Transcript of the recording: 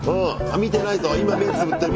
見てないぞ今目つぶってる。